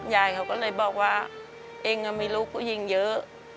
ยายเขาก็เลยบอกว่าเองมีลูกผู้หญิงเยอะ